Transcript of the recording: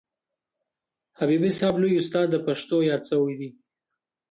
حبیبي صاحب لوی استاد د پښتو یاد سوی دئ.